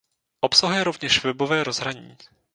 Obsahuje rovněž webové rozhraní.